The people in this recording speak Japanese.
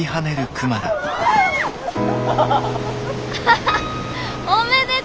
アハハッおめでとう！